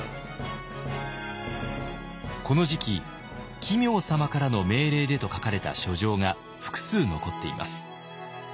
この時期「奇妙様からの命令で」と書かれた書状が複数残っています。